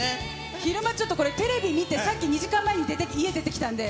昼間ちょっと、テレビ見て、さっき２時間前に出て、家出てきたんで。